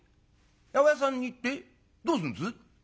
「八百屋さんに行ってどうすんです？」。